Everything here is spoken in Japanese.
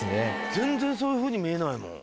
全然そういうふうに見えないもん。